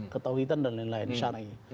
ketauhitan dan lain lain syari'i